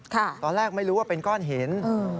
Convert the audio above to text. ตอนแรกไม่รู้ว่าเป็นก้อนหิน